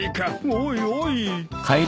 おいおい。